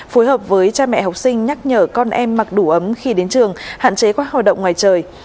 phối hợp với cha mẹ học sinh nhắc nhở con em mặc đủ ấm khi đến trường hạn chế các hoạt động ngoài trời